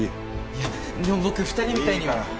いやでも僕２人みたいには。いいから。